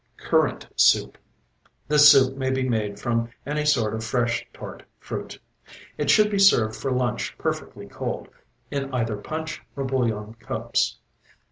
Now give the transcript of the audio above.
CURRANT SOUP This soup may be made from any sort of fresh, tart fruit. It should be served for lunch perfectly cold, in either punch or bouillon cups.